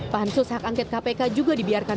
pansus hak angket kpk juga dibiarkan